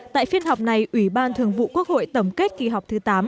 tại phiên họp này ủy ban thường vụ quốc hội tổng kết kỳ họp thứ tám